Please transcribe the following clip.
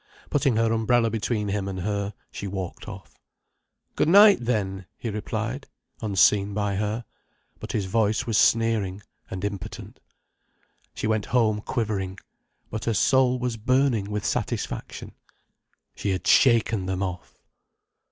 Putting her umbrella between him and her, she walked off. "Good night then," he replied, unseen by her. But his voice was sneering and impotent. She went home quivering. But her soul was burning with satisfaction. She had shaken them off.